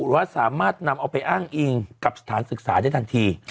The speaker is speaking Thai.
ว่าสามารถนำเอาไปอ้างอิงกับสถานศึกษาได้ทันที